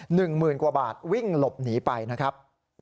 หนึ่งหมื่นกว่าบาทวิ่งหลบหนีไปนะครับ